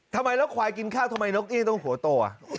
ทำไมถ้าขวายกินข้าวเพราะเอกเอกต้องโหวโตอ่ะ